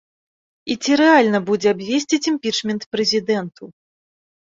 І ці рэальна будзе абвесціць імпічмент прэзідэнту.